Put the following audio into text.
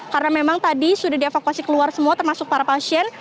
karena memang tadi sudah dievakuasi keluar semua termasuk para pasien